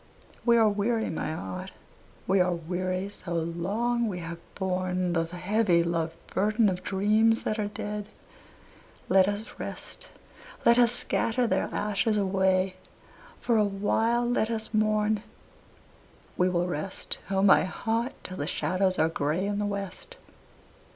We are weary, my heart, we are weary, so long we have borne The heavy loved burden of dreams that are dead, let us rest, Let us scatter their ashes away, for a while let us mourn; We will rest, O my heart, till the shadows are gray in the west.